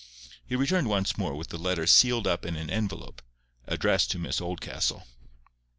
He returned once more with the letter sealed up in an envelope, addressed to Miss Oldcastle.